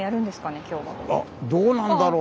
あっどうなんだろう。